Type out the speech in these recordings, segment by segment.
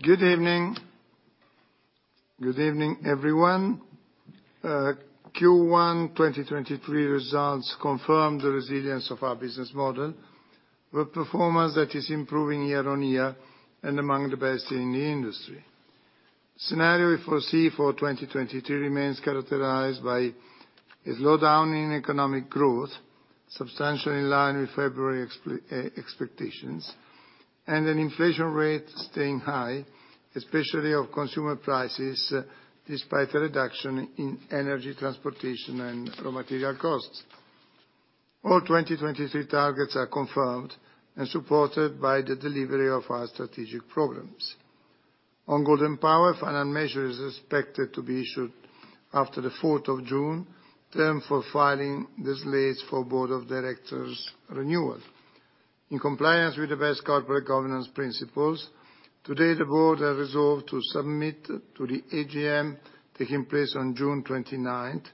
Good evening. Good evening, everyone. Q1 2023 results confirm the resilience of our business model, with performance that is improving year-on-year and among the best in the industry. Scenario we foresee for 2023 remains characterized by a slowdown in economic growth, substantially in line with February expectations, an inflation rate staying high, especially of consumer prices, despite a reduction in energy transportation and raw material costs. All 2023 targets are confirmed and supported by the delivery of our strategic programs. On Golden Power, final measure is expected to be issued after the 4th of June, term for filing this late for board of directors renewal. In compliance with the best corporate governance principles, today the board has resolved to submit to the AGM, taking place on June 29th,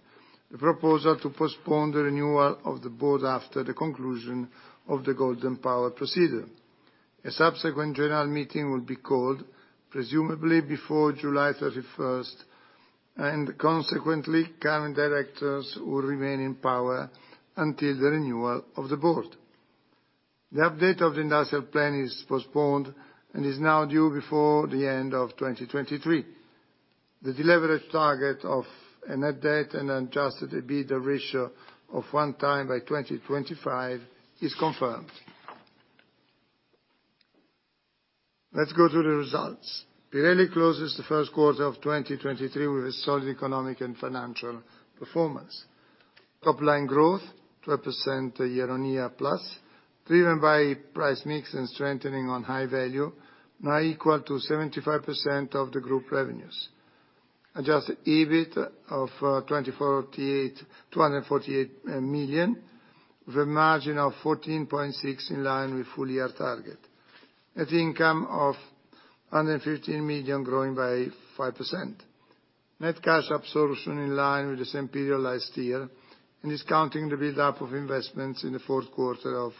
the proposal to postpone the renewal of the board after the conclusion of the Golden Power procedure. A subsequent general meeting will be called presumably before July 31st, and consequently, current directors will remain in power until the renewal of the board. The update of the industrial plan is postponed and is now due before the end of 2023. The deleverage target of a net debt and an adjusted EBITDA ratio of 1 time by 2025 is confirmed. Let's go to the results. Pirelli closes the first quarter of 2023 with a solid economic and financial performance. Top line growth, 12% year-on-year plus, driven by price/mix and strengthening on high value, now equal to 75% of the group revenues. Adjusted EBIT of 248 million, with a margin of 14.6%, in line with full year target. Net income of 115 million, growing by 5%. Net cash absorption in line with the same period last year and is counting the buildup of investments in the fourth quarter of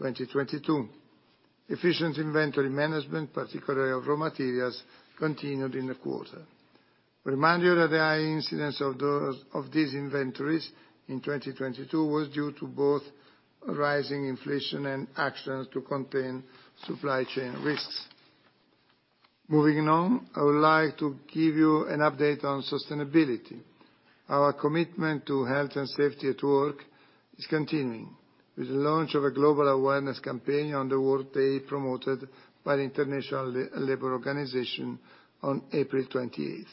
2022. Efficient inventory management, particularly of raw materials, continued in the quarter. Reminder that the high incidence of these inventories in 2022 was due to both rising inflation and actions to contain supply chain risks. Moving on, I would like to give you an update on sustainability. Our commitment to health and safety at work is continuing with the launch of a global awareness campaign on the World Day promoted by the International Labour Organization on April 28th.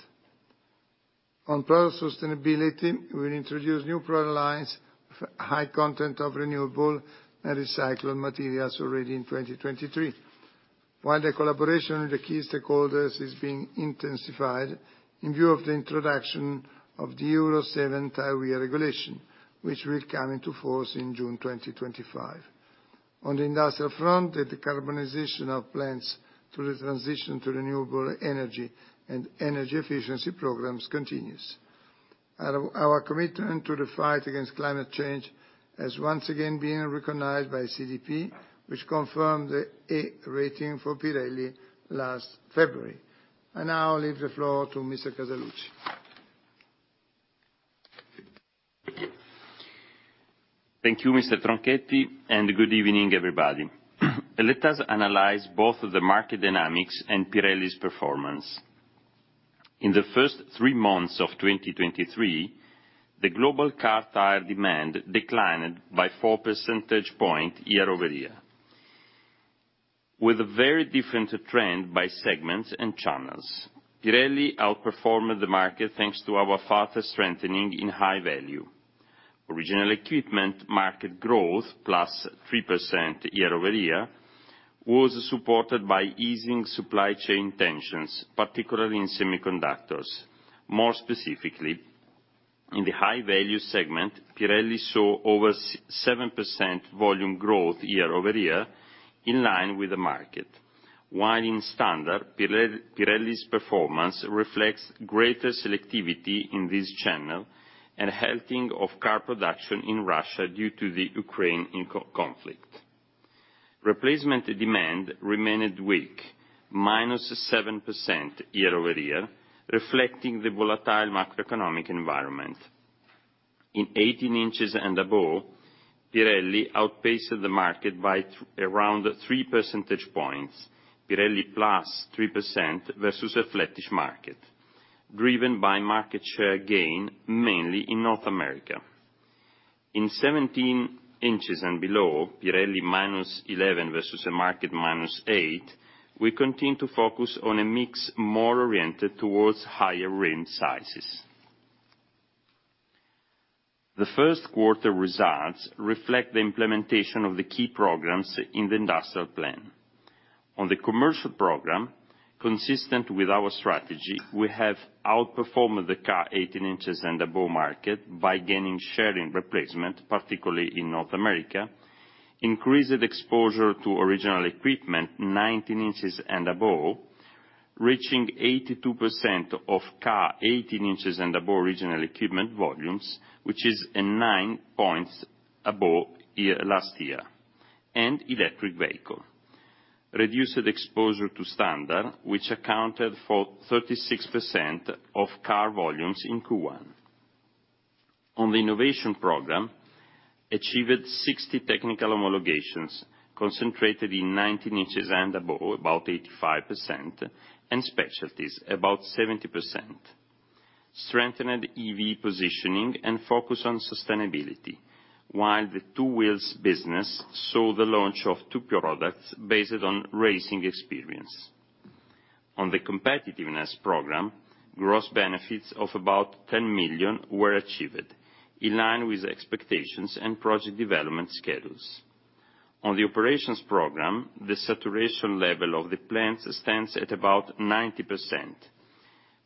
On product sustainability, we'll introduce new product lines with high content of renewable and recycled materials already in 2023. The collaboration with the key stakeholders is being intensified in view of the introduction of the Euro 7 tyre regulation, which will come into force in June 2025. On the industrial front, the decarbonization of plants to the transition to renewable energy and energy efficiency programs continues. Our commitment to the fight against climate change has once again been recognized by CDP, which confirmed the A rating for Pirelli last February. I now leave the floor to Mr. Casaluci. Thank you. Thank you, Mr. Tronchetti, and good evening, everybody. Let us analyze both the market dynamics and Pirelli's performance. In the first three months of 2023, the global car tyre demand declined by 4 percentage point year-over-year, with a very different trend by segments and channels. Pirelli outperformed the market thanks to our further strengthening in high value. Original equipment market growth, +3% year-over-year, was supported by easing supply chain tensions, particularly in semiconductors. More specifically, in the high value segment, Pirelli saw over 7% volume growth year-over-year, in line with the market, while in standard, Pirelli's performance reflects greater selectivity in this channel and halting of car production in Russia due to the Ukraine conflict. Replacement demand remained weak, -7% year-over-year, reflecting the volatile macroeconomic environment. In 18 inches and above, Pirelli outpaced the market by around 3 percentage points. Pirelli plus 3% versus a flattish market, driven by market share gain, mainly in North America. In 17 inches and below, Pirelli minus 11 versus a market minus 8, we continue to focus on a mix more oriented towards higher rim sizes. The first quarter results reflect the implementation of the key programs in the industrial plan. On the commercial program, consistent with our strategy, we have outperformed the car 18 inches and above market by gaining share in replacement, particularly in North America, increased exposure to original equipment 19 inches and above. Reaching 82% of car 18 inches and above original equipment volumes, which is nine points above last year, and electric vehicle. Reduced exposure to standard, which accounted for 36% of car volumes in Q1. On the innovation program, achieved 60 technical homologations concentrated in 19 inches and above, about 85%, and specialties, about 70%. Strengthened EV positioning and focus on sustainability, while the two wheels business saw the launch of two products based on racing experience. On the competitiveness program, gross benefits of about 10 million were achieved, in line with expectations and project development schedules. On the operations program, the saturation level of the plants stands at about 90%,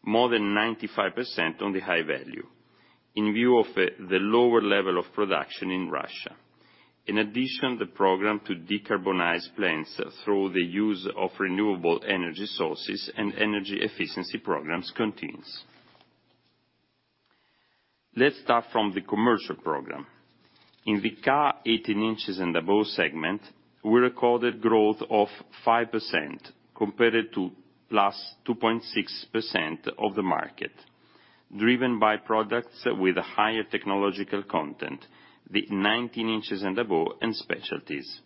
more than 95% on the high value, in view of the lower level of production in Russia. In addition, the program to decarbonize plants through the use of renewable energy sources and energy efficiency programs continues. Let's start from the commercial program. In the car 18 inches and above segment, we recorded growth of 5% compared to +2.6% of the market, driven by products with a higher technological content, the 19 inches and above, and specialties.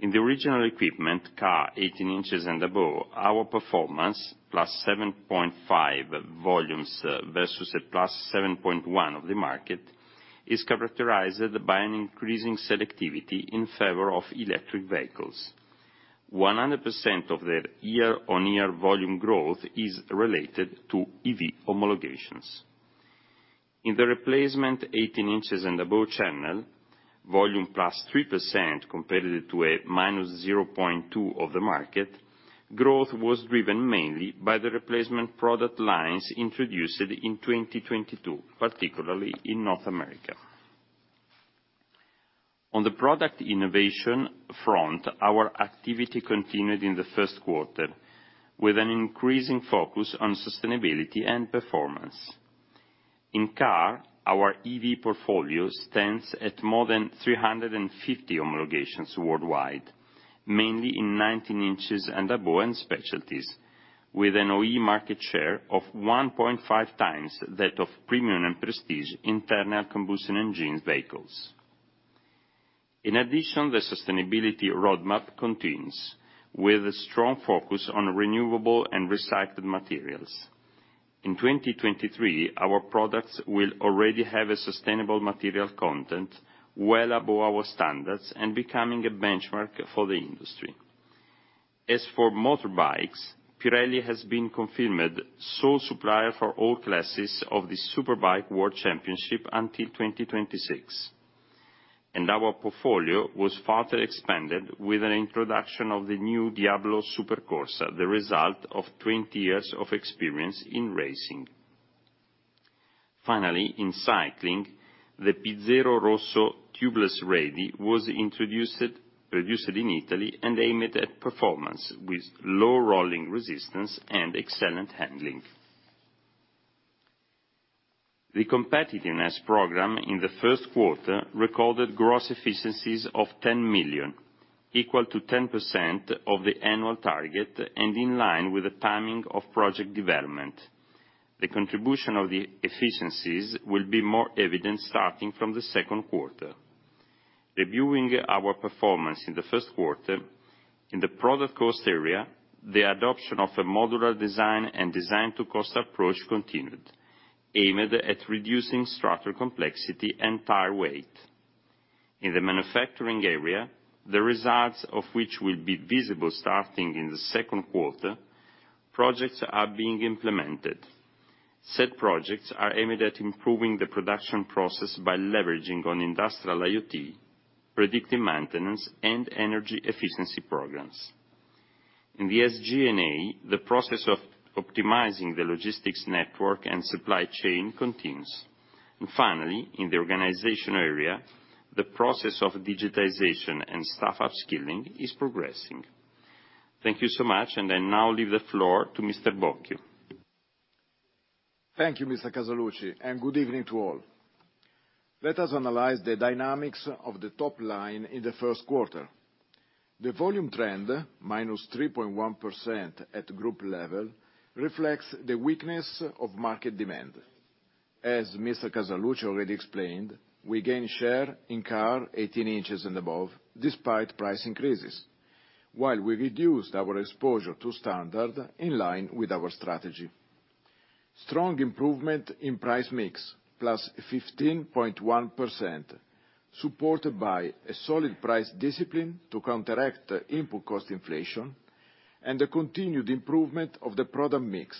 In the original equipment car 18 inches and above, our performance, +7.5 volumes versus a +7.1 of the market, is characterized by an increasing selectivity in favor of electric vehicles. 100% of their year-on-year volume growth is related to EV homologations. In the replacement 18 inches and above channel, volume +3% compared to a -0.2 of the market, growth was driven mainly by the replacement product lines introduced in 2022, particularly in North America. On the product innovation front, our activity continued in the first quarter with an increasing focus on sustainability and performance. In car, our EV portfolio stands at more than 350 homologations worldwide, mainly in 19 inches and above, and specialties, with an OE market share of 1.5 times that of premium and prestige internal combustion engine vehicles. In addition, the sustainability roadmap continues, with a strong focus on renewable and recycled materials. In 2023, our products will already have a sustainable material content well above our standards, and becoming a benchmark for the industry. As for motorbikes, Pirelli has been confirmed sole supplier for all classes of the Superbike World Championship until 2026, and our portfolio was further expanded with an introduction of the new DIABLO Supercorsa, the result of 20 years of experience in racing. Finally, in cycling, the P ZERO Rosso Tubeless Ready was introduced, produced in Italy and aimed at performance with low rolling resistance and excellent handling. The competitiveness program in the first quarter recorded gross efficiencies of 10 million, equal to 10% of the annual target, and in line with the timing of project development. The contribution of the efficiencies will be more evident starting from the second quarter. Reviewing our performance in the first quarter, in the product cost area, the adoption of a modular design and Design to Cost approach continued, aimed at reducing structural complexity and tire weight. In the manufacturing area, the results of which will be visible starting in the second quarter, projects are being implemented. Said projects are aimed at improving the production process by leveraging on industrial IoT, predictive maintenance and energy efficiency programs. In the SG&A, the process of optimizing the logistics network and supply chain continues. Finally, in the organization area, the process of digitization and staff upskilling is progressing. Thank you so much, and I now leave the floor to Mr. Bocchio. Thank you, Mr. Casaluci. Good evening to all. Let us analyze the dynamics of the top line in the first quarter. The volume trend, -3.1% at group level, reflects the weakness of market demand. As Mr. Casaluci already explained, we gained share in car 18 inches and above despite price increases, while we reduced our exposure to standard in line with our strategy. Strong improvement in price/mix, +15.1%, supported by a solid price discipline to counteract input cost inflation, and a continued improvement of the product mix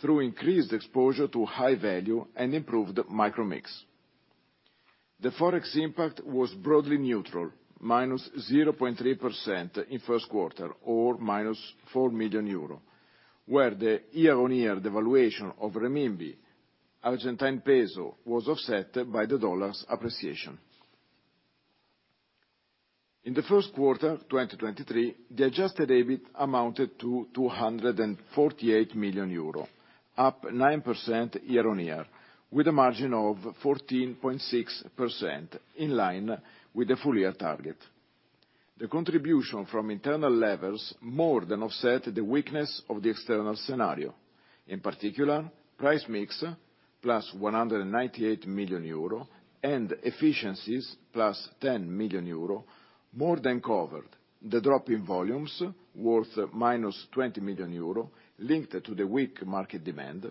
through increased exposure to high value and improved micro mix. The Forex impact was broadly neutral, -0.3% in first quarter or -4 million euro, where the year-on-year devaluation of renminbi, Argentine peso was offset by the dollar's appreciation. In the first quarter, 2023, the adjusted EBIT amounted to 248 million euro, up 9% year-on-year, with a margin of 14.6%, in line with the full year target. The contribution from internal levers more than offset the weakness of the external scenario. In particular, price/mix, +198 million euro, and efficiencies, +10 million euro, more than covered the drop in volumes worth -20 million euro, linked to the weak market demand,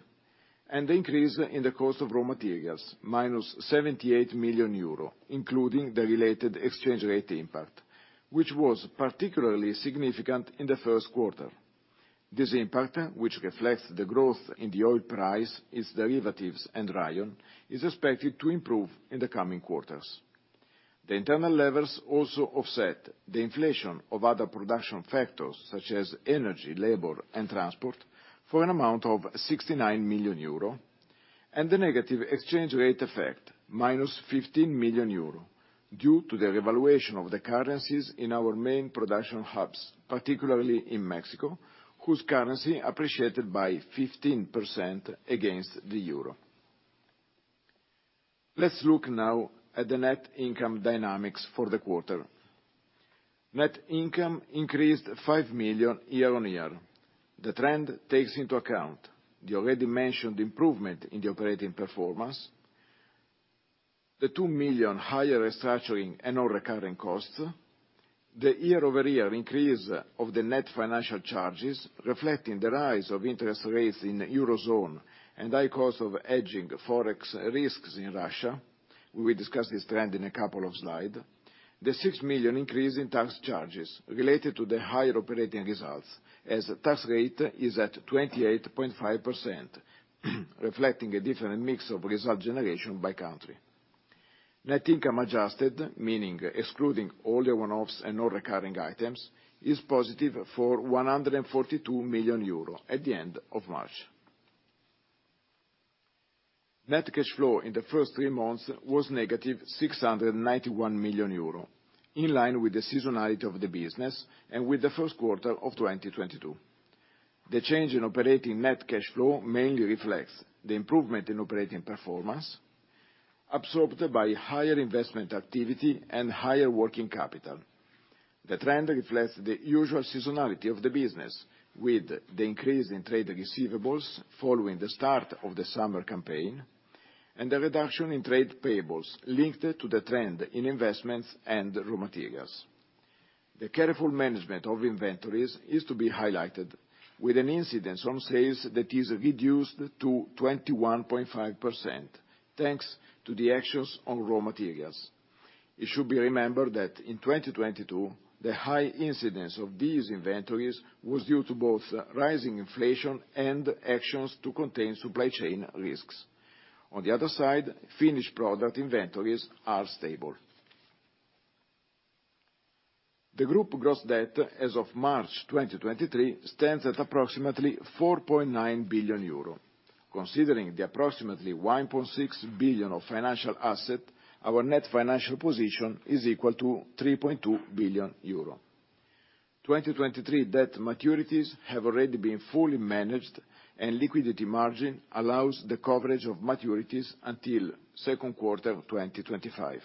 and the increase in the cost of raw materials, -78 million euro, including the related exchange rate impact, which was particularly significant in the first quarter. This impact, which reflects the growth in the oil price, its derivatives, and rayon, is expected to improve in the coming quarters. The internal levers also offset the inflation of other production factors, such as energy, labor, and transport, for an amount of 69 million euro, and the negative exchange rate effect, -15 million euro, due to the revaluation of the currencies in our main production hubs, particularly in Mexico, whose currency appreciated by 15% against the euro. Let's look now at the net income dynamics for the quarter. Net income increased 5 million year-over-year. The trend takes into account the already mentioned improvement in the operating performance, the 2 million higher restructuring and non-recurring costs, the year-over-year increase of the net financial charges reflecting the rise of interest rates in the Eurozone and high cost of hedging Forex risks in Russia. We will discuss this trend in a couple of slide. The 6 million increase in tax charges related to the higher operating results, as tax rate is at 28.5%, reflecting a different mix of result generation by country. Net income adjusted, meaning excluding all one-offs and non-recurring items, is positive for 142 million euro at the end of March. Net cash flow in the first three months was negative 691 million euro, in line with the seasonality of the business and with the first quarter of 2022. The change in operating net cash flow mainly reflects the improvement in operating performance absorbed by higher investment activity and higher working capital. The trend reflects the usual seasonality of the business with the increase in trade receivables following the start of the summer campaign and the reduction in trade payables linked to the trend in investments and raw materials. The careful management of inventories is to be highlighted with an incidence on sales that is reduced to 21.5%, thanks to the actions on raw materials. It should be remembered that in 2022, the high incidence of these inventories was due to both rising inflation and actions to contain supply chain risks. On the other side, finished product inventories are stable. The group gross debt as of March 2023 stands at approximately 4.9 billion euro. Considering the approximately 1.6 billion of financial asset, our net financial position is equal to 3.2 billion euro. 2023 debt maturities have already been fully managed. Liquidity margin allows the coverage of maturities until 2Q 2025.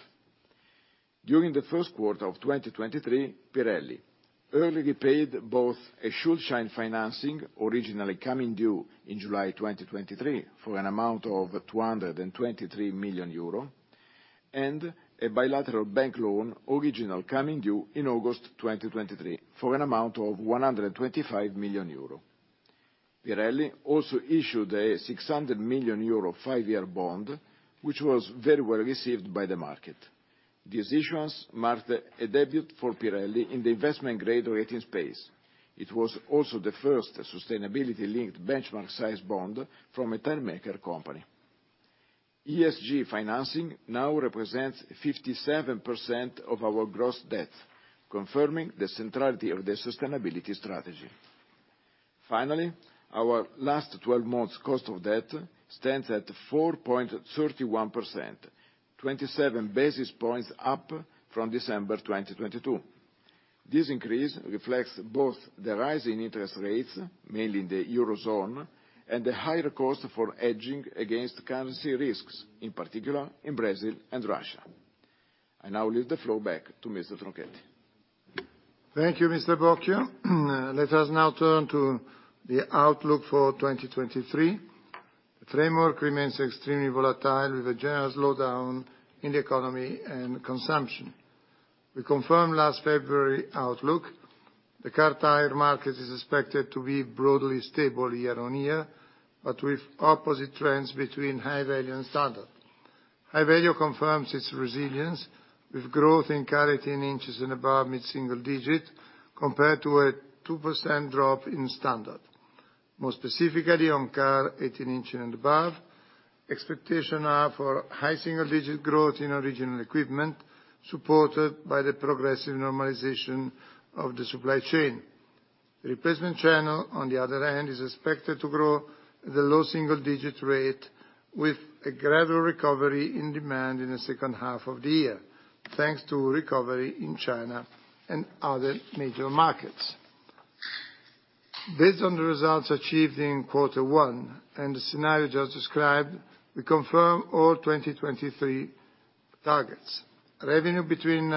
During 1Q 2023, Pirelli early repaid both a Schuldschein financing originally coming due in July 2023 for an amount of 223 million euro and a bilateral bank loan original coming due in August 2023 for an amount of 125 million euro. Pirelli also issued a 600 million euro five-year bond, which was very well received by the market. This issuance marked a debut for Pirelli in the investment grade rating space. It was also the first sustainability-linked benchmark size bond from a tire maker company. ESG financing now represents 57% of our gross debt, confirming the centrality of the sustainability strategy. Finally, our last 12 months cost of debt stands at 4.31%, 27 basis points up from December 2022. This increase reflects both the rise in interest rates, mainly in the Eurozone, and the higher cost for hedging against currency risks, in particular in Brazil and Russia. I now leave the floor back to Mr. Tronchetti. Thank you, Mr. Bocchio. Let us now turn to the outlook for 2023. The framework remains extremely volatile with a general slowdown in the economy and consumption. We confirmed last February outlook. The car tire market is expected to be broadly stable year-on-year. With opposite trends between high value and standard. High value confirms its resilience with growth in car 18 inches and above mid-single digit compared to a 2% drop in standard. More specifically, on car 18 inch and above, expectation are for high single digit growth in original equipment supported by the progressive normalization of the supply chain. Replacement channel, on the other hand, is expected to grow the low single digit rate with a gradual recovery in demand in the second half of the year, thanks to recovery in China and other major markets. Based on the results achieved in Q1 and the scenario just described, we confirm all 2023 targets. Revenue between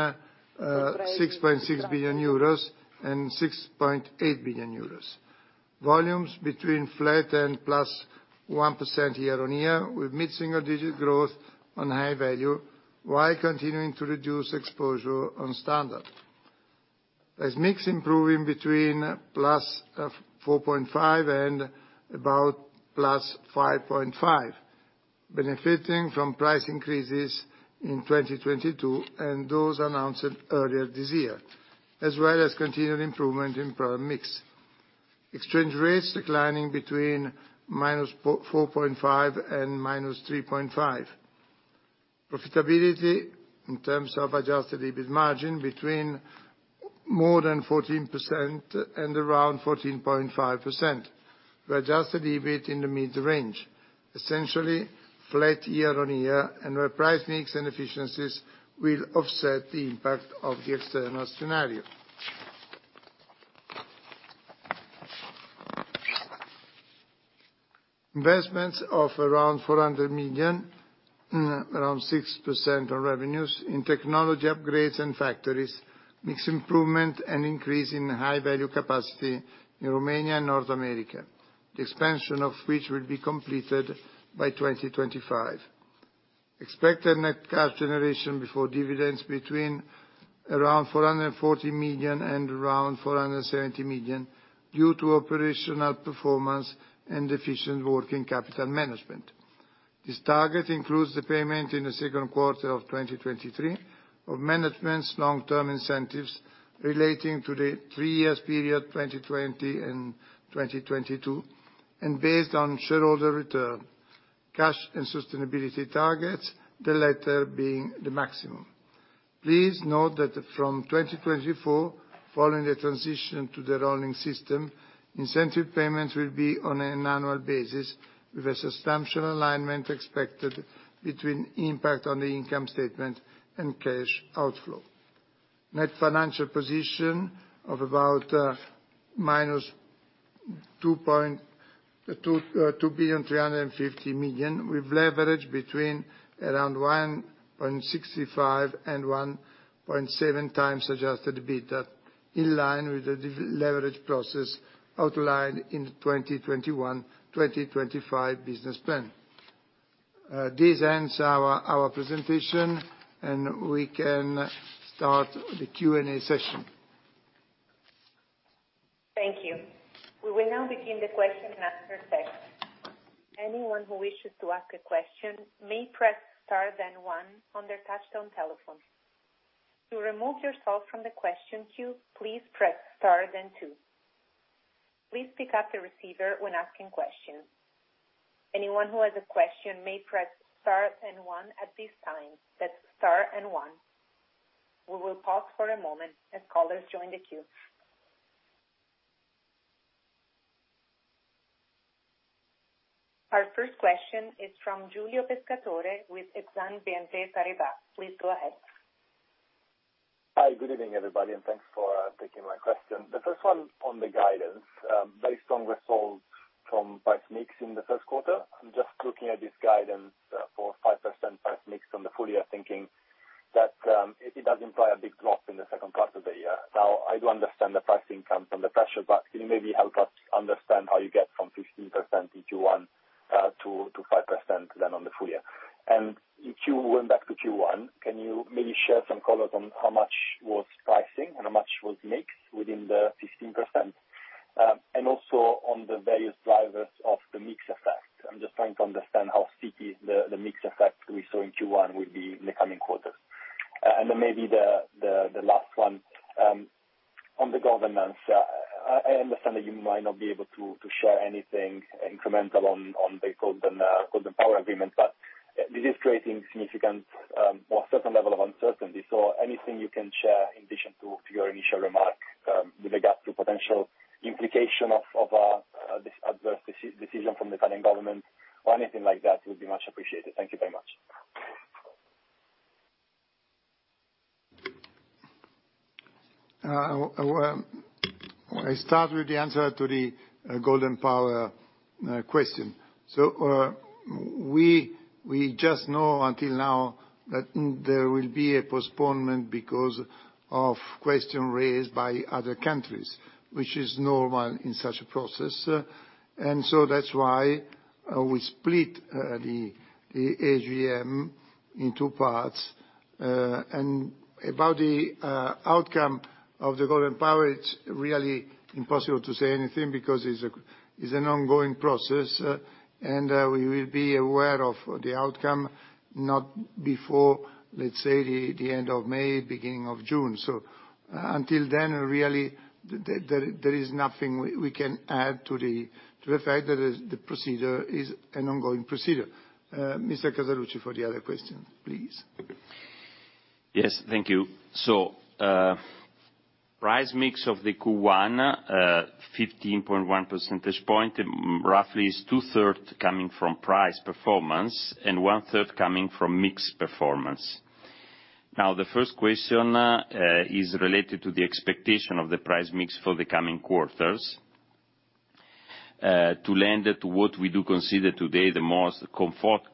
6.6 billion euros and 6.8 billion euros. Volumes between flat and +1% year-on-year, with mid-single digit growth on high value, while continuing to reduce exposure on standard. As mix improving between +4.5% and about +5.5%, benefiting from price increases in 2022 and those announced earlier this year, as well as continued improvement in product mix. Exchange rates declining between -4.5% and -3.5%. Profitability in terms of adjusted EBIT margin between more than 14% and around 14.5%, where adjusted EBIT in the mid-range, essentially flat year-on-year and where price/mix and efficiencies will offset the impact of the external scenario. Investments of around 400 million, around 6% of revenues in technology upgrades and factories, mix improvement and increase in high value capacity in Romania and North America, the expansion of which will be completed by 2025. Expected net cash generation before dividends between around 440 million and around 470 million due to operational performance and efficient working capital management. This target includes the payment in the second quarter of 2023 of management's long-term incentives relating to the three-year period, 2020 and 2022, based on shareholder return, cash and sustainability targets, the latter being the maximum. Please note that from 2024, following the transition to the rolling system, incentive payments will be on an annual basis with a substantial alignment expected between impact on the income statement and cash outflow. Net financial position of about, minus 2.35 billion, with leverage between around 1.65 and 1.7 times adjusted EBITDA, in line with the de-leverage process outlined in the 2021, 2025 business plan. This ends our presentation, and we can start the Q&A session. Thank you. We will now begin the question and answer segment. Anyone who wishes to ask a question may press star then one on their touch-tone telephone. To remove yourself from the question queue, please press star then two. Please pick up the receiver when asking questions. Anyone who has a question may press star and one at this time. That's star and one. We will pause for a moment as callers join the queue. Our first question is from Giulio Pescatore with Exane BNP Paribas. Please go ahead. Hi, good evening, everybody, thanks for taking my question. The first one on the guidance, very strong results from price/mix in the first quarter. I'm just looking at this guidance for 5% price/mix on the full year thinking that it does imply a big drop in the second part of the year. I do understand the pricing comes from the pressure, can you maybe help us understand how you get from 15% in Q1 to 5% on the full year? If you went back to Q1, can you maybe share some color on how much was pricing and how much was mix within the 15%? Also on the various drivers of the mix effect. I'm just trying to understand how sticky the mix effect we saw in Q1 will be in the coming quarters. Then maybe the last one on the governance. I understand that you might not be able to share anything incremental on the Golden Power agreement, but this is creating significant or certain level of uncertainty. Anything you can share in addition to your initial remark with regard to potential implication of this adverse decision from the Italian government or anything like that would be much appreciated. Thank you very much. Well, I start with the answer to the Golden Power question. We just know until now that there will be a postponement because of question raised by other countries, which is normal in such a process. That's why we split the AGM in two parts. And about the outcome of the Golden Power, it's really impossible to say anything because it's an ongoing process, and we will be aware of the outcome not before, let's say, the end of May, beginning of June. Until then, really, there is nothing we can add to the fact that the procedure is an ongoing procedure. Mr. Casaluci for the other question, please. Yes. Thank you. Price/mix of the Q1, 15.1 percentage point, roughly is 2/3 coming from price performance and 1/3 coming from mix performance. The first question is related to the expectation of the price/mix for the coming quarters. To lend to what we do consider today the most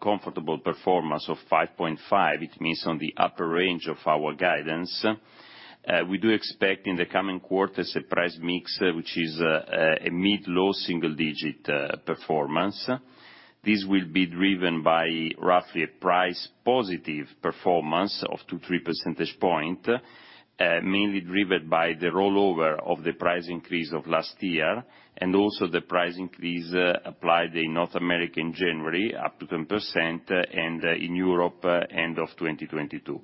comfortable performance of 5.5, it means on the upper range of our guidance, we do expect in the coming quarters a price/mix, which is a mid-low single digit performance. This will be driven by roughly a price positive performance of 2-3 percentage point, mainly driven by the rollover of the price increase of last year, and also the price increase applied in North America in January, up to 10%, and in Europe end of 2022.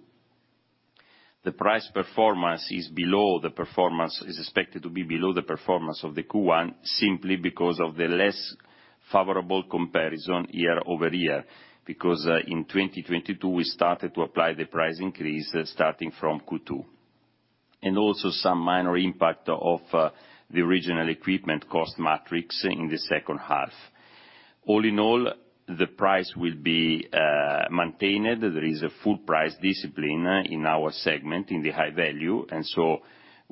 The price performance is below the performance... is expected to be below the performance of the Q1 simply because of the less favorable comparison year-over-year because in 2022, we started to apply the price increase starting from Q2. Some minor impact of the original equipment cost matrix in the second half. All in all, the price will be maintained. There is a full price discipline in our segment, in the high value,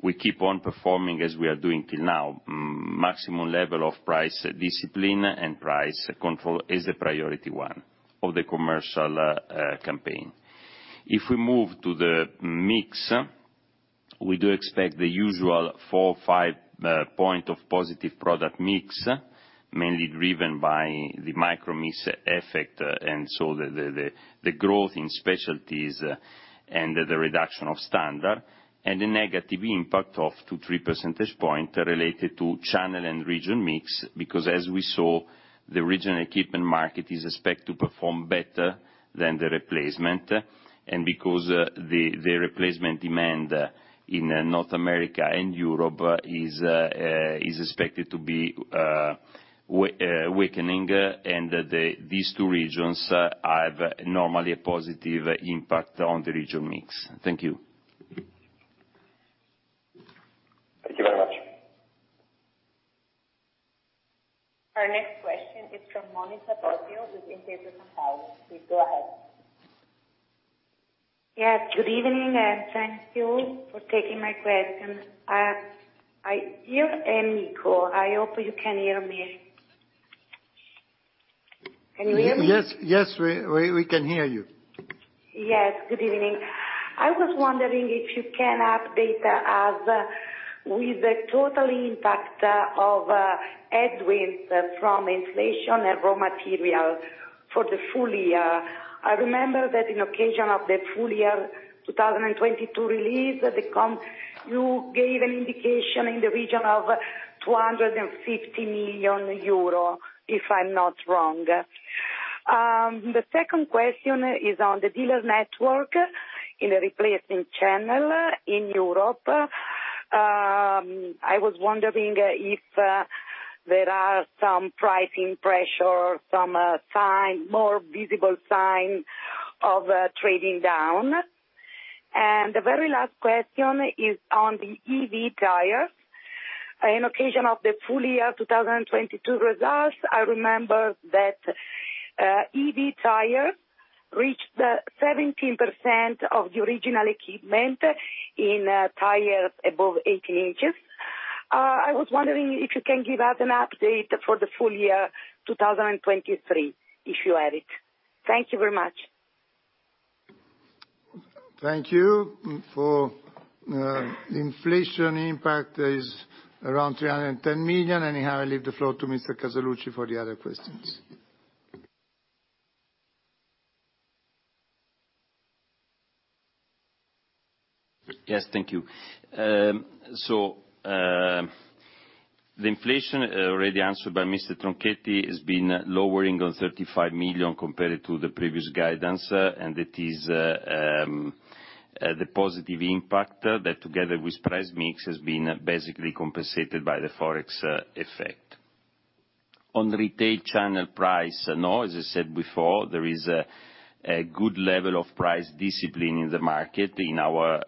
we keep on performing as we are doing till now. maximum level of price discipline and price control is the priority 1 of the commercial campaign. If we move to the mix, we do expect the usual four, five point of positive product mix, mainly driven by the micro mix effect, and so the growth in specialties and the reduction of standard, and a negative impact of 2-3 percentage point related to channel and region mix. Because as we saw, the original equipment market is expected to perform better than the replacement, and because the replacement demand in North America and Europe is expected to be weakening, and these two regions have normally a positive impact on the region mix. Thank you. Thank you very much. Our next question is from Monica Bosio with Intesa Sanpaolo. Please go ahead. Yeah. Good evening. Thank you for taking my question. I hear Enrico. I hope you can hear me. Can you hear me? Yes, we can hear you. Yes, good evening. I was wondering if you can update us with the total impact of headwinds from inflation and raw material for the full year. I remember that in occasion of the full year 2022 release, you gave an indication in the region of 250 million euro, if I'm not wrong. The second question is on the dealer network in the replacement channel in Europe. I was wondering if there are some pricing pressure, some sign, more visible sign of trading down. The very last question is on the EV tires. In occasion of the full year 2022 results, I remember that EV tires reached 17% of the original equipment in tires above 18 inches. I was wondering if you can give us an update for the full year 2023, if you have it. Thank you very much. Thank you. For inflation impact is around 310 million. I leave the floor to Mr. Casaluci for the other questions. Yes, thank you. The inflation already answered by Mr. Tronchetti has been lowering on 35 million compared to the previous guidance, and it is the positive impact that together with price/mix has been basically compensated by the Forex effect. On retail channel price, no, as I said before, there is a good level of price discipline in the market in our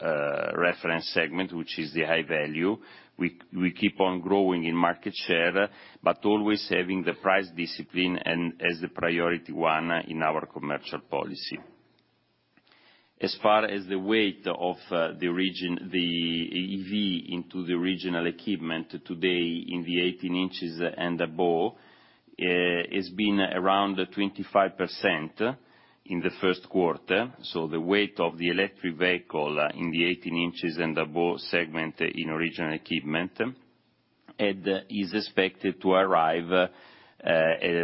reference segment, which is the high value. We keep on growing in market share, but always having the price discipline and as the priority one in our commercial policy. As far as the weight of the region, the EV into the regional equipment today in the 18 inches and above has been around 25% in the first quarter. The weight of the electric vehicle in the 18 inches and above segment in original equipment, and is expected to arrive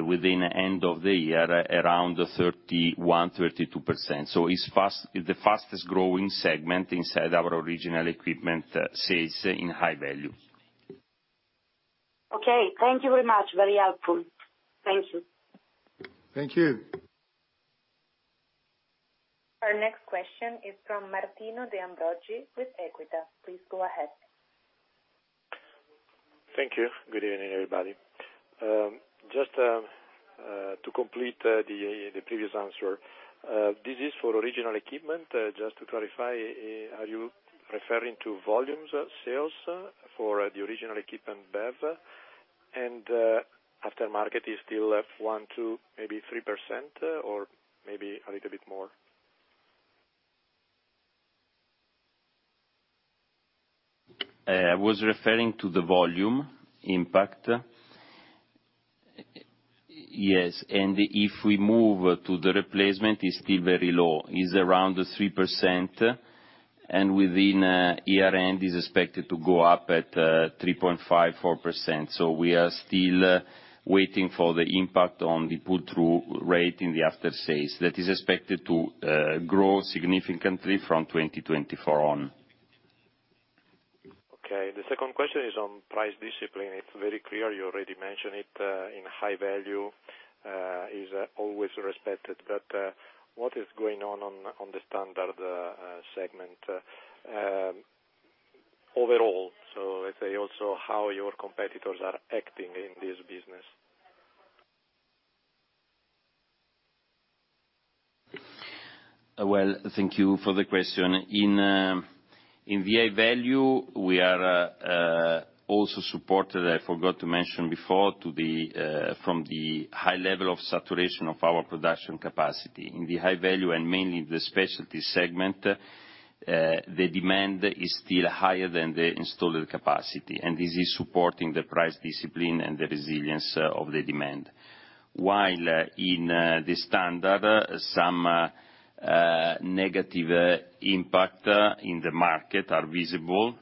within end of the year around 31%-32%. It's the fastest growing segment inside our original equipment sales in high value. Okay. Thank you very much. Very helpful. Thank you. Thank you. Our next question is from Martino de Ambroggi with Equita. Please go ahead. Thank you. Good evening, everybody. Just to complete the previous answer, this is for original equipment. Just to clarify, are you referring to volumes sales for the original Equipment BEV, and after market is still at 1, 2, maybe 3%, or maybe a little bit more? I was referring to the volume impact. Yes, if we move to the replacement, it's still very low. It's around 3%, within year-end, is expected to go up at 3.5%-4%. We are still waiting for the impact on the pull-through rate in the after-sales, that is expected to grow significantly from 2024 on. Okay. The second question is on price discipline. It's very clear, you already mentioned it, in high value, is always respected. What is going on on the standard segment overall? Let's say also how your competitors are acting in this business. Well, thank you for the question. In, in the high value, we are also supported, I forgot to mention before, to the, from the high level of saturation of our production capacity. In the high value and mainly the specialty segment, the demand is still higher than the installed capacity, and this is supporting the price discipline and the resilience of the demand. While in, the standard, some negative impact, in the market are visible,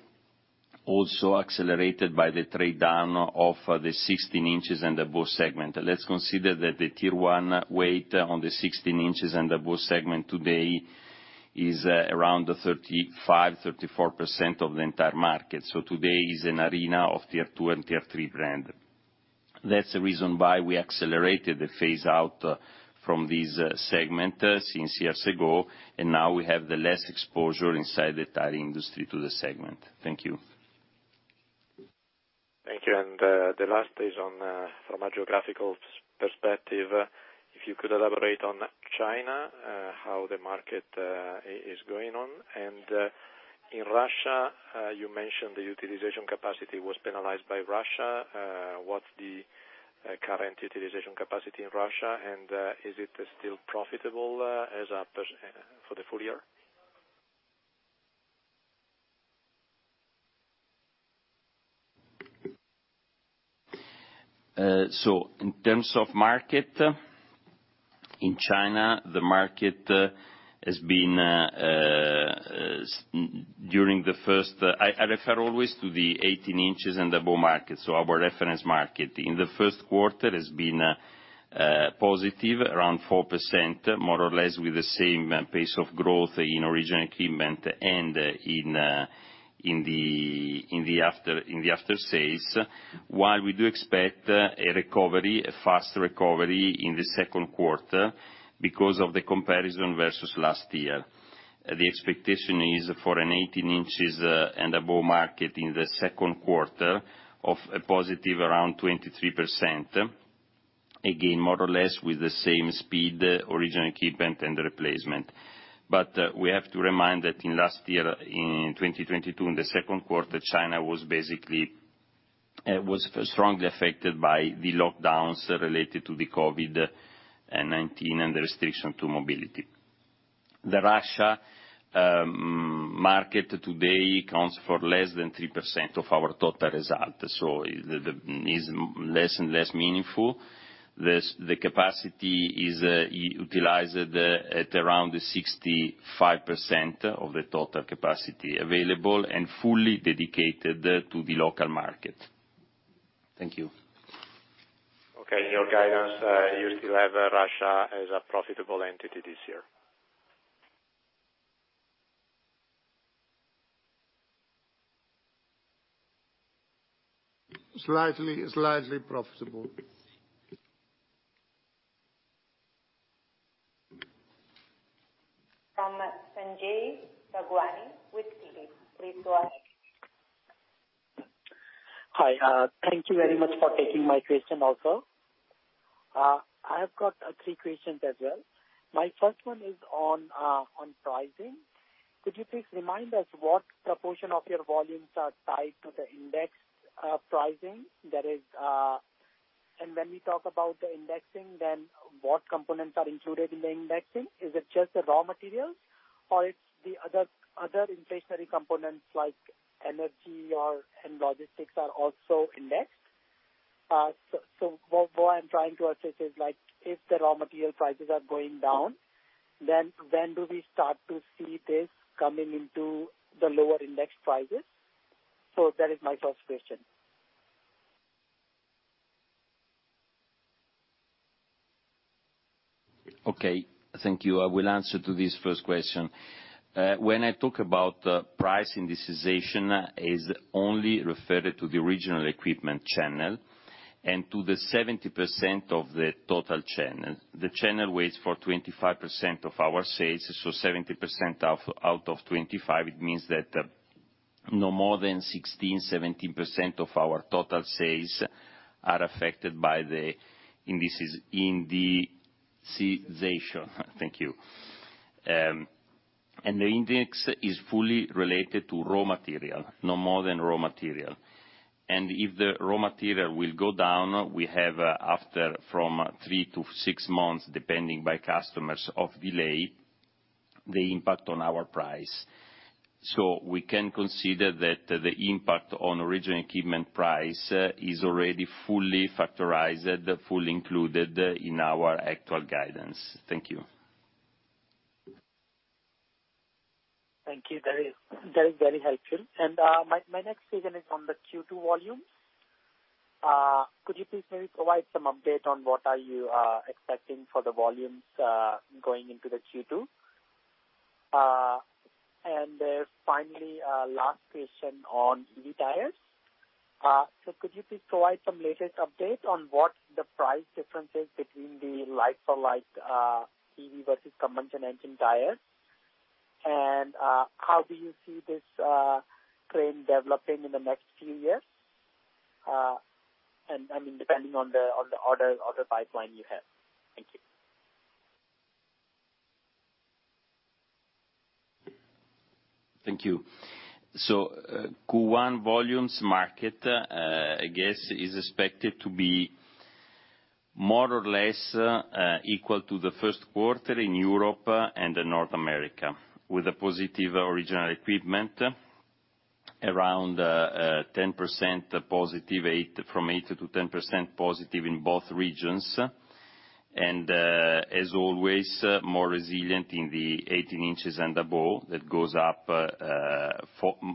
also accelerated by the trade down of the 16 inches and above segment. Let's consider that the tier one weight on the 16 inches and above segment today is around 35-34% of the entire market. Today is an arena of tier two and tier three brand. That's the reason why we accelerated the phase out from this segment, since years ago. Now we have the less exposure inside the tire industry to the segment. Thank you. Thank you. The last is on from a geographical perspective, if you could elaborate on China, how the market is going on. In Russia, you mentioned the utilization capacity was penalized by Russia. What's the current utilization capacity in Russia, and is it still profitable for the full year? I refer always to the 18 inches and above market, so our reference market. In the first quarter has been positive, around 4%, more or less, with the same pace of growth in original equipment and in the after-sales. We do expect a recovery, a fast recovery in the second quarter because of the comparison versus last year. The expectation is for an 18 inches and above market in the second quarter of a positive around 23%. Again, more or less, with the same speed, original equipment and replacement. We have to remind that in last year, in 2022, in the second quarter, China was basically, was strongly affected by the lockdowns related to the COVID-19 and the restriction to mobility. The Russia market today accounts for less than 3% of our total result, so the is less and less meaningful. The capacity is utilized at around 65% of the total capacity available and fully dedicated to the local market. Thank you. Okay. In your guidance, you still have Russia as a profitable entity this year. Slightly profitable. From Sanjay Thawani with Keely. Please go ahead. Hi. Thank you very much for taking my question also. I have got three questions as well. My first one is on pricing. Could you please remind us what proportion of your volumes are tied to the index pricing? That is. When we talk about the indexing, then what components are included in the indexing? Is it just the raw materials or it's the other inflationary components like energy or, and logistics are also indexed? What I'm trying to assess is, like, if the raw material prices are going down, then when do we start to see this coming into the lower index prices? That is my first question. Okay, thank you. I will answer to this first question. When I talk about price indexation, is only referred to the original equipment channel. To the 70% of the total channel, the channel waits for 25% of our sales. 70% out of 25, it means that no more than 16%, 17% of our total sales are affected by the indices indexation. Thank you. The index is fully related to raw material, no more than raw material. If the raw material will go down, we have after from 3 to 6 months, depending by customers of delay, the impact on our price. We can consider that the impact on original equipment price is already fully factorized, fully included in our actual guidance. Thank you. Thank you. That is very helpful. My next question is on the Q2 volumes. Could you please maybe provide some update on what are you expecting for the volumes going into the Q2? Then finally, last question on E tires. Could you please provide some latest update on what the price difference is between the like for like EV versus conventional engine tires? How do you see this trend developing in the next few years? I mean, depending on the order pipeline you have. Thank you. Thank you. Q1 volumes market, I guess, is expected to be more or less equal to the first quarter in Europe and in North America, with a positive original equipment around 10% positive from 8% to 10% positive in both regions. As always, more resilient in the 18 inches and above. That goes up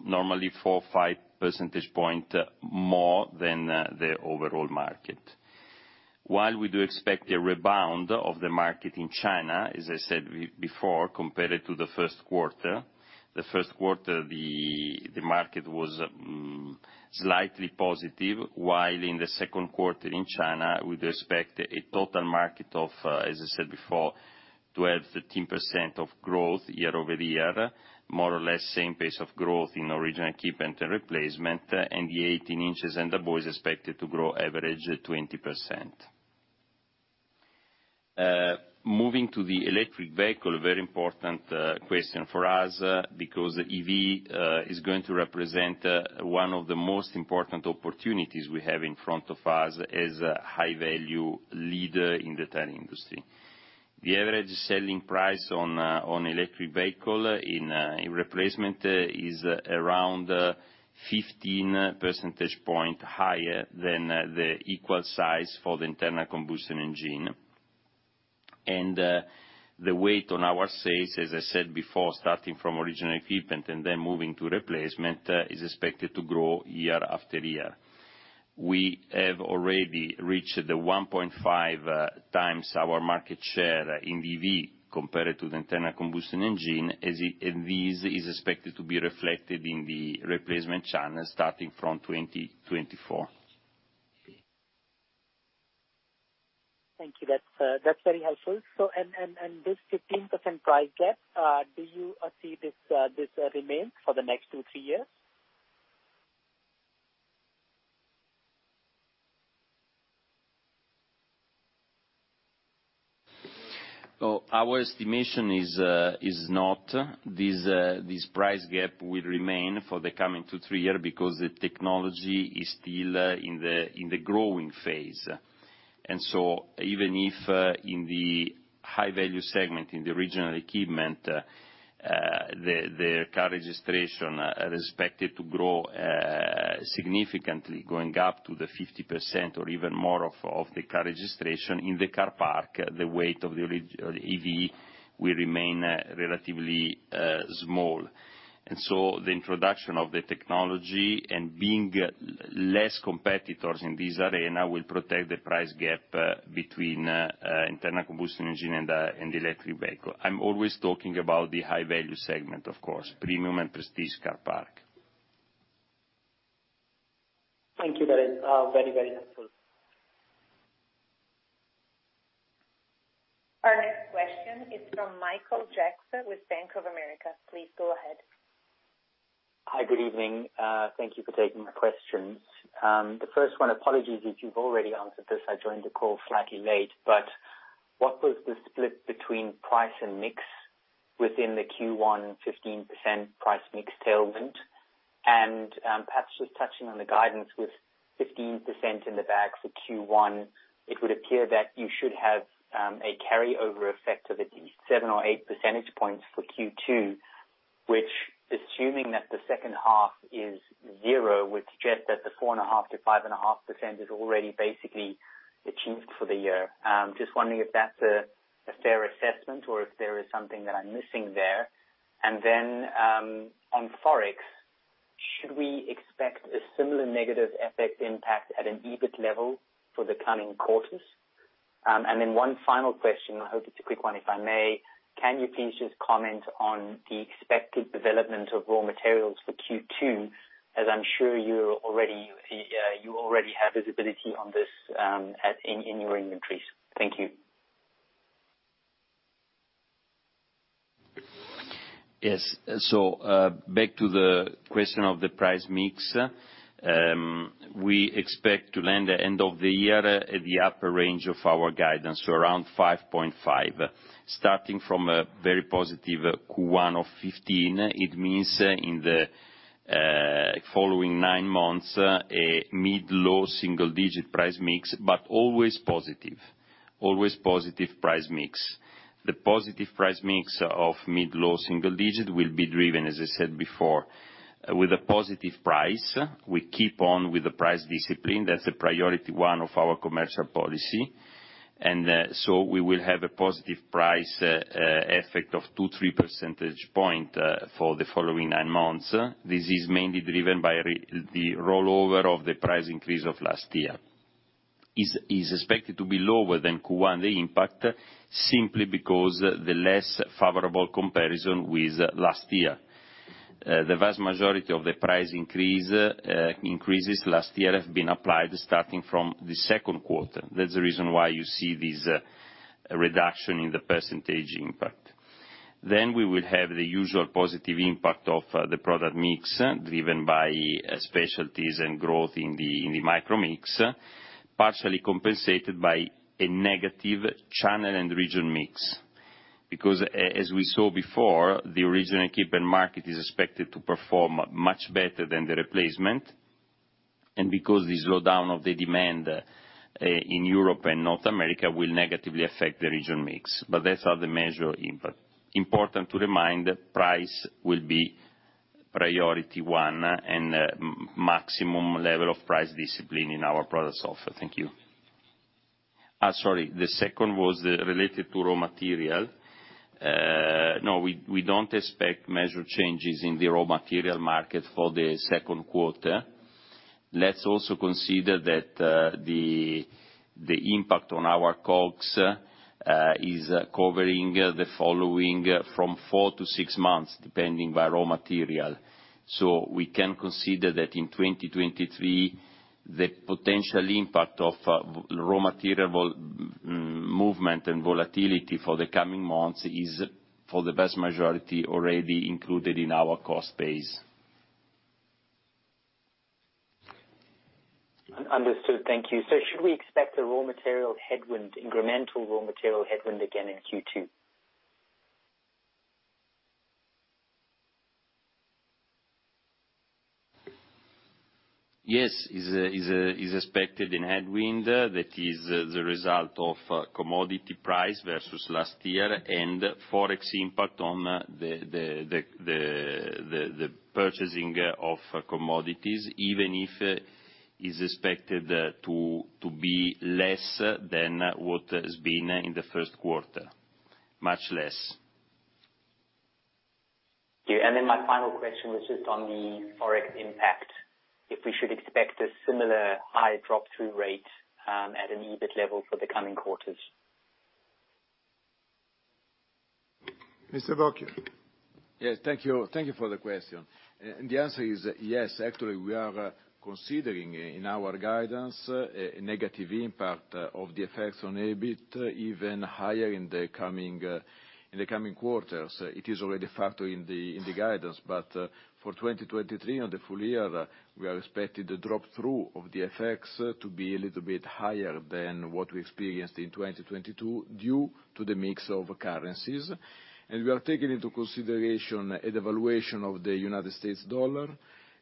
normally 4, 5 percentage point more than the overall market. While we do expect a rebound of the market in China, as I said before, compared to the first quarter, the market was slightly positive. While in the second quarter in China, we'd expect a total market of, as I said before, 12%-13% of growth year-over-year, more or less same pace of growth in original equipment and replacement, and the 18 inches and above is expected to grow average 20%. Moving to the electric vehicle, very important question for us, because EV is going to represent one of the most important opportunities we have in front of us as a high value leader in the tire industry. The average selling price on electric vehicle in replacement is around 15 percentage point higher than the equal size for the internal combustion engine. The weight on our sales, as I said before, starting from original equipment and then moving to replacement, is expected to grow year after year. We have already reached the 1.5 times our market share in EV compared to the internal combustion engine, and this is expected to be reflected in the replacement channel starting from 2024. Thank you. That's very helpful. This 15% price gap, do you see this remain for the next 2, 3 years? Our estimation is not. This price gap will remain for the coming 2-3 years because the technology is still in the growing phase. Even if in the high value segment, in the original equipment, the car registrations are expected to grow significantly, going up to 50% or even more of the car registrations. In the car park, the weight of the EV will remain relatively small. The introduction of the technology and being less competitors in this arena will protect the price gap between internal combustion engine and the electric vehicle. I'm always talking about the high value segment, of course, premium and prestige car park. Thank you. That is, very, very helpful. Our next question is from Stephen Benhamou with Bank of America. Please go ahead. Hi. Good evening. Thank you for taking the questions. The first one, apologies if you've already answered this, I joined the call slightly late, but what was the split between price and mix within the Q1 15% price/mix tailwind? Perhaps just touching on the guidance with 15% in the bag for Q1, it would appear that you should have a carryover effect of at least 7 or 8 percentage points for Q2, which assuming that the second half is zero, would suggest that the 4.5%-5.5% is already basically achieved for the year. Just wondering if that's a fair assessment or if there is something that I'm missing there? On Forex, should we expect a similar negative effect impact at an EBIT level for the coming quarters? One final question. I hope it's a quick one, if I may. Can you please just comment on the expected development of raw materials for Q2, as I'm sure you're already, you already have visibility on this, at, in your inventories. Thank you. Yes. Back to the question of the price/mix. We expect to land the end of the year at the upper range of our guidance, around 5.5%. Starting from a very positive Q1 of 15%, it means in the following nine months, a mid-low single digit price/mix, always positive price/mix. The positive price/mix of mid-low single digit will be driven, as I said before, with a positive price. We keep on with the price discipline. That's a priority one of our commercial policy. We will have a positive price effect of 2-3 percentage points for the following nine months. This is mainly driven by the rollover of the price increase of last year. Is expected to be lower than Q1, the impact, simply because the less favorable comparison with last year. The vast majority of the price increases last year have been applied starting from the second quarter. That's the reason why you see this reduction in the % impact. We will have the usual positive impact of the product mix, driven by specialties and growth in the micro mix, partially compensated by a negative channel and region mix. As we saw before, the original equipment market is expected to perform much better than the replacement, and because the slowdown of the demand in Europe and North America will negatively affect the region mix. That's are the measure impact. Important to remind, price will be priority one and maximum level of price discipline in our product offer. Thank you. Sorry. The second was related to raw material. We don't expect measure changes in the raw material market for the second quarter. Let's also consider that the impact on our costs is covering the following from four-six months, depending by raw material. We can consider that in 2023, the potential impact of raw material movement and volatility for the coming months is, for the vast majority, already included in our cost base. Understood. Thank you. Should we expect a raw material headwind, incremental raw material headwind again in Q2? Yes. Is expected in headwind. That is the result of commodity price versus last year and Forex impact on the purchasing of commodities, even if is expected to be less than what has been in the first quarter, much less. Yeah. My final question was just on the Forex impact, if we should expect a similar high drop-through rate at an EBIT level for the coming quarters. Mr. Bocchi. Yes. Thank you. Thank you for the question. The answer is yes. Actually, we are considering in our guidance a negative impact of the effects on EBIT, even higher in the coming in the coming quarters. It is already factored in the in the guidance. For 2023 on the full year, we are expecting the drop through of the effects to be a little bit higher than what we experienced in 2022 due to the mix of currencies. We are taking into consideration a devaluation of the United States dollar,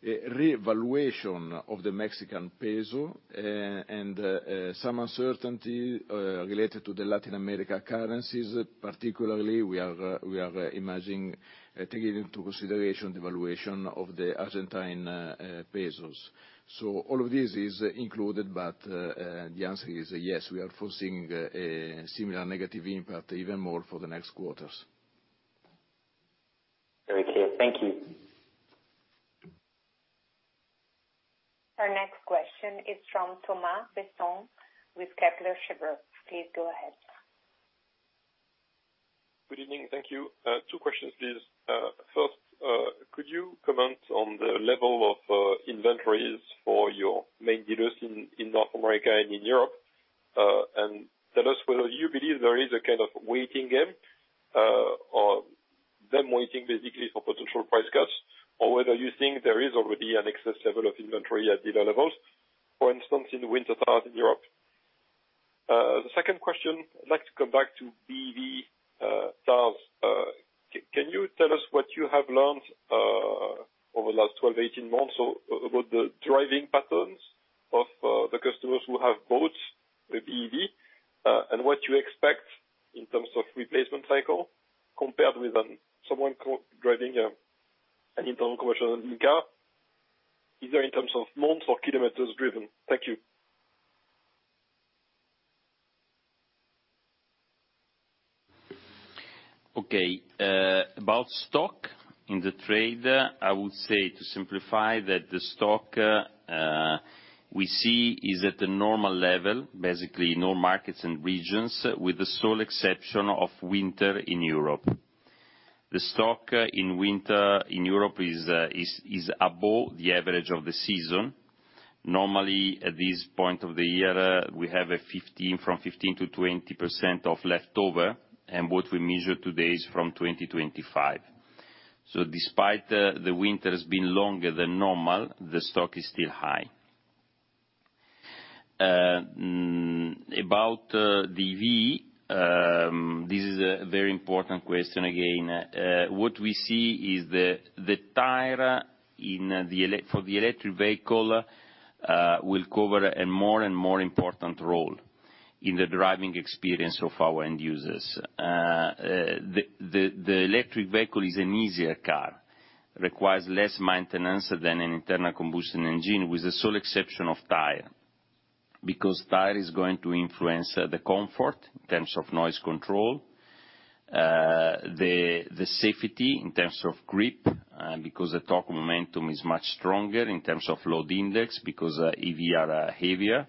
a revaluation of the Mexican peso, and some uncertainty related to the Latin America currencies. Particularly, we are imagining taking into consideration devaluation of the Argentine peso. All of this is included, but, the answer is yes, we are foreseeing a similar negative impact even more for the next quarters. Very clear. Thank you. Our next question is from Thomas Besson with Kepler Cheuvreux. Please go ahead. Good evening. Thank you. Two questions, please. First, could you comment on the level of inventories for your main dealers in North America and in Europe? Tell us whether you believe there is a kind of waiting game, or them waiting basically for potential price cuts, or whether you think there is already an excess level of inventory at dealer levels, for instance, in winter tires in Europe. The second question, I'd like to come back to BEV tyres. Can you tell us what you have learned over the last 12-18 months or about the driving patterns of the customers who have bought the BEV, and what you expect in terms of replacement cycle compared with someone driving an internal commercial car, either in terms of months or kilometers driven? Thank you. Okay, about stock in the trade, I would say to simplify that the stock we see is at the normal level, basically in all markets and regions, with the sole exception of winter in Europe. The stock in winter in Europe is above the average of the season. Normally, at this point of the year, we have from 15%-20% of leftover, and what we measure today is from 20%-25%. Despite the winter has been longer than normal, the stock is still high. About the EV, this is a very important question again. What we see is the tire for the electric vehicle will cover a more and more important role in the driving experience of our end users. The electric vehicle is an easier car. Requires less maintenance than an internal combustion engine, with the sole exception of tire. Because tyre is going to influence the comfort in terms of noise control, the safety in terms of grip, because the torque momentum is much stronger in terms of load index, because EV are heavier.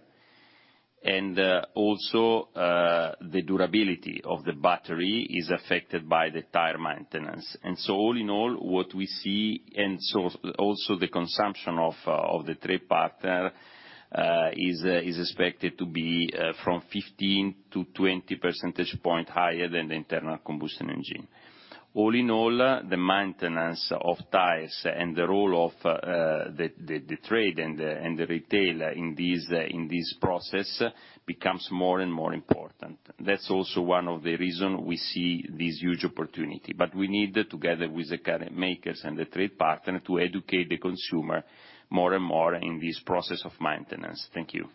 Also, the durability of the battery is affected by the yre maintenance. All in all, what we see, and so also the consumption of the trade partner is expected to be from 15-20 percentage point higher than the internal combustion engine. All in all, the maintenance of tires and the role of the trade and the retailer in this process becomes more and more important. That's also one of the reason we see this huge opportunity. We need, together with the current makers and the trade partner, to educate the consumer more and more in this process of maintenance. Thank you.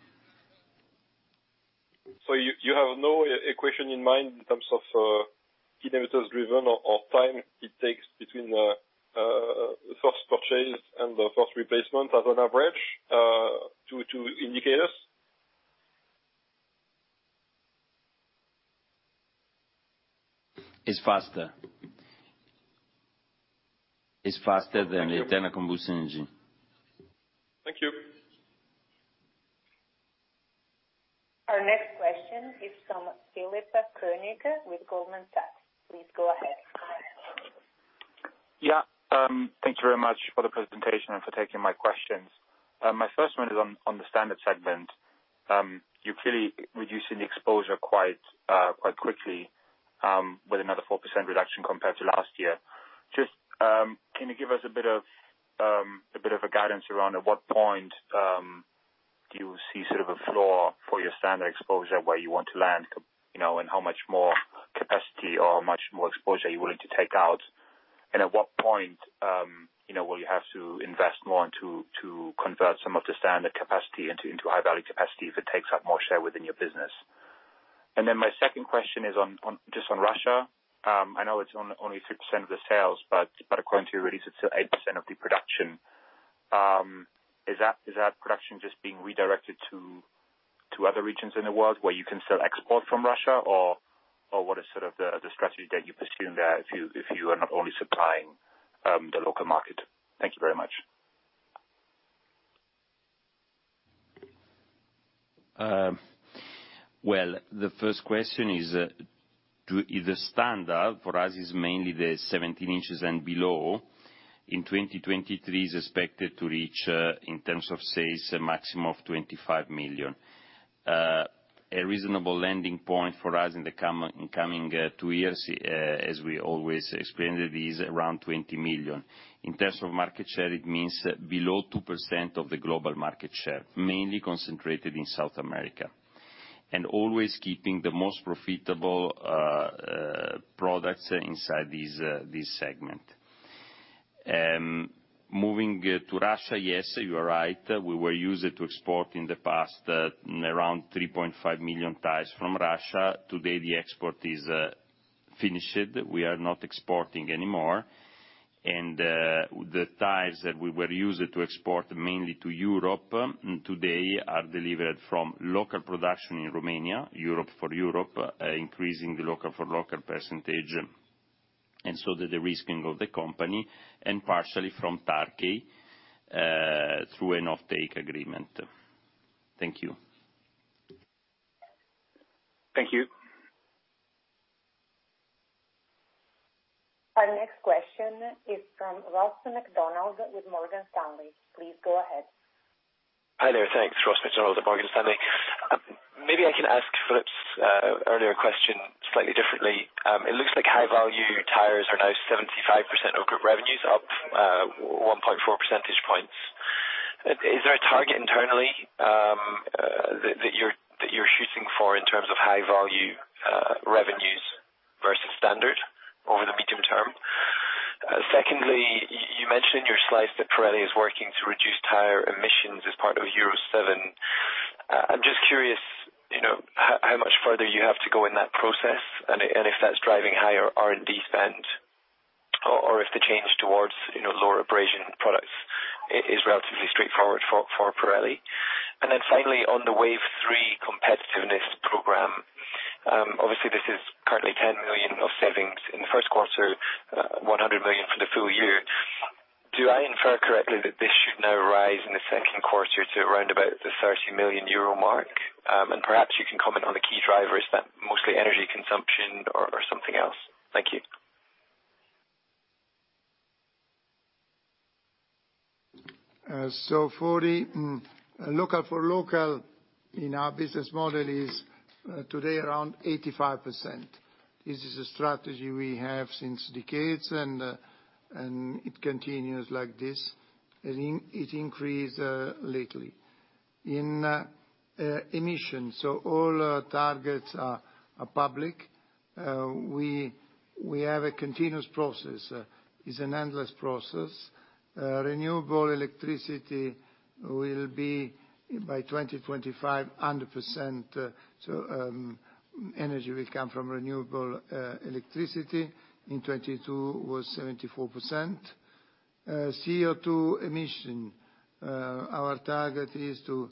You have no equation in mind in terms of kilometers driven or time it takes between first purchase and the first replacement as an average to indicate us? It's faster than. Thank you. The internal combustion engine. Thank you. Our next question is from George Galliers with Goldman Sachs. Please go ahead. Yeah. Thank you very much for the presentation and for taking my questions. My first one is on the standard segment. You're clearly reducing the exposure quite quickly, with another 4% reduction compared to last year. Just, can you give us a bit of, a bit of a guidance around at what point, you see sort of a floor for your standard exposure, where you want to land, you know, and how much more capacity or how much more exposure are you willing to take out? At what point, you know, will you have to invest more into, to convert some of the standard capacity into high value capacity if it takes up more share within your business? My second question is on just on Russia. I know it's only 3% of the sales. According to your release, it's still 8% of the production. Is that production just being redirected to other regions in the world where you can still export from Russia? What is sort of the strategy that you pursue there if you are not only supplying the local market? Thank you very much. Well, the first question is, Is the standard for us is mainly the 17 inches and below. In 2023 is expected to reach, in terms of sales, a maximum of 25 million. A reasonable landing point for us in the coming two years, as we always explained, it is around 20 million. In terms of market share, it means below 2% of the global market share, mainly concentrated in South America. Always keeping the most profitable products inside this segment. Moving to Russia, yes, you are right. We were used to export in the past, around 3.5 million tires from Russia. Today, the export is finished. We are not exporting anymore. The tires that we were used to export mainly to Europe, today are delivered from local production in Romania, Europe for Europe, increasing the local for local percentage, and so the de-risking of the company, and partially from Turkey, through an offtake agreement. Thank you. Thank you. Our next question is from Ross MacDonald with Morgan Stanley. Please go ahead. Hi there. Thanks. Ross MacDonald, Morgan Stanley. Maybe I can ask Stephen's earlier question slightly differently. It looks like high value tires are now 75% of group revenues, up 1.4 percentage points. Is there a target internally that you're shooting for in terms of high value revenues versus standard over the medium term? You mentioned in your slides that Pirelli is working to reduce tire emissions as part of Euro 7. I'm just curious, you know, how much further you have to go in that process and if that's driving higher R&D spend. If the change towards, you know, lower abrasion products is relatively straightforward for Pirelli. Finally, on the Phase III competitiveness program, obviously this is currently 10 million of savings in the first quarter, 100 million for the full year. Do I infer correctly that this should now rise in the second quarter to around about the 30 million euro mark? Perhaps you can comment on the key drivers, that mostly energy consumption or something else. Thank you. For the local for local in our business model is today around 85%. This is a strategy we have since decades and it continues like this, and it increased lately. In emission, all our targets are public. We have a continuous process. It's an endless process. Renewable electricity will be by 2025, 100%. Energy will come from renewable electricity. In 2022 was 74%. CO2 emission, our target is to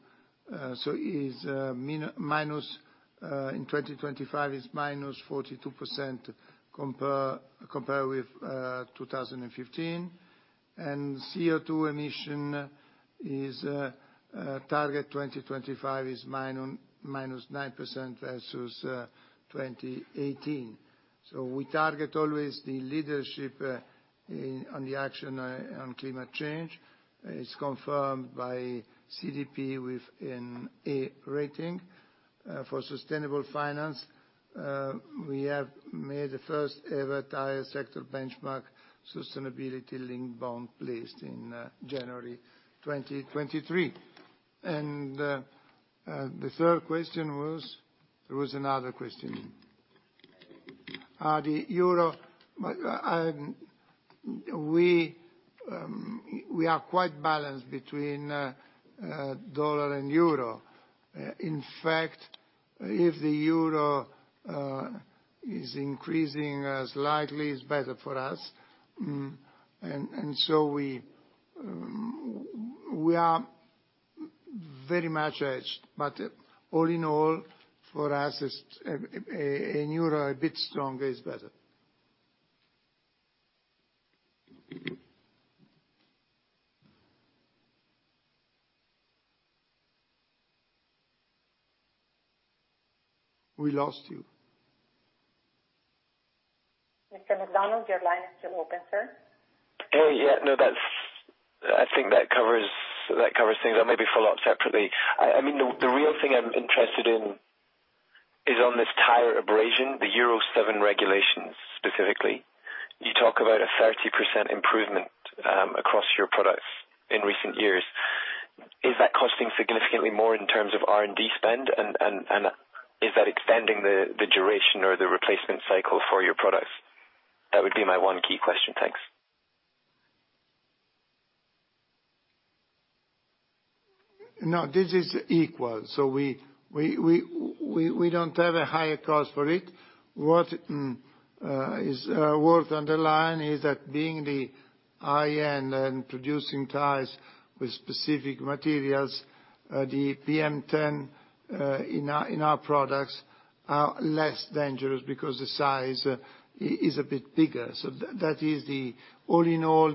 minus in 2025 is -42% compared with 2015. CO2 emission is target 2025 is -9% versus 2018. We target always the leadership in on the action on climate change. It's confirmed by CDP with an A rating. For sustainable finance, we have made the first ever tire sector benchmark sustainability-linked bond placed in January 2023. The third question was? There was another question. The euro. We are quite balanced between dollar and euro. In fact, if the euro is increasing slightly, it's better for us. We are very much hedged. All in all, for us it's a euro a bit stronger is better. We lost you. Mr. MacDonald, your line is still open, sir. Oh, yeah. No, that's. I think that covers things. I'll maybe follow up separately. I mean, the real thing I'm interested in is on this tyer abrasion, the Euro 7 regulations specifically. You talk about a 30% improvement across your products in recent years. Is that costing significantly more in terms of R&D spend and is that extending the duration or the replacement cycle for your products? That would be my one key question. Thanks. No, this is equal, so we don't have a higher cost for it. What is worth underlying is that being the high-end and producing tires with specific materials, the PM10 in our products are less dangerous because the size is a bit bigger. That is the all in all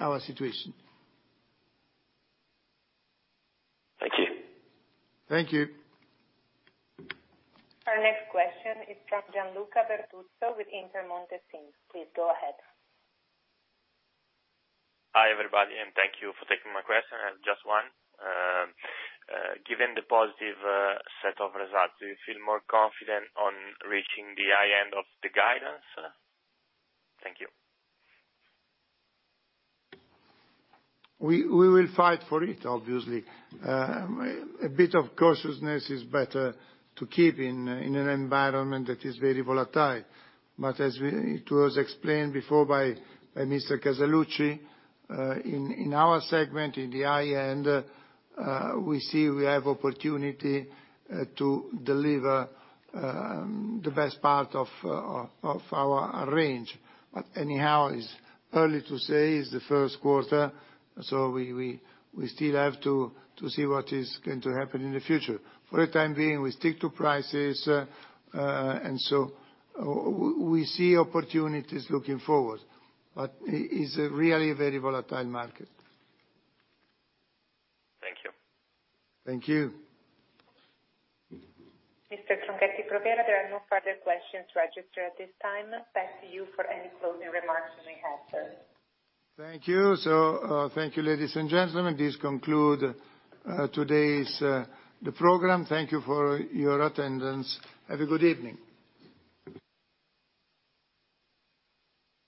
our situation. Thank you. Thank you. Our next question is from Gianluca Bertuzzo with Intermonte SIM. Please go ahead. Hi, everybody, thank you for taking my question. I have just one. Given the positive set of results, do you feel more confident on reaching the high end of the guidance? Thank you. We will fight for it, obviously. A bit of cautiousness is better to keep in an environment that is very volatile. As it was explained before by Mr. Casaluci, in our segment, in the high end, we see we have opportunity to deliver the best part of our range. Anyhow, it's early to say. It's the first quarter, we still have to see what is going to happen in the future. For the time being, we stick to prices, and we see opportunities looking forward, but it's a really very volatile market. Thank you. Thank you. Mr. Tronchetti Provera, there are no further questions registered at this time. Back to you for any closing remarks you may have, sir. Thank you. Thank you, ladies and gentlemen. This conclude today's the program. Thank you for your attendance. Have a good evening.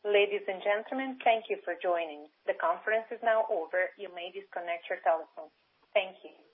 Ladies and gentlemen, thank you for joining. The conference is now over. You may disconnect your telephones. Thank you.